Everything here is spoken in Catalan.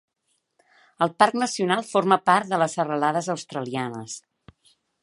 El parc nacional forma part de les Serralades Australianes.